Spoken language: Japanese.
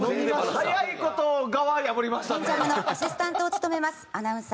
「変ジャム」のアシスタントを務めます。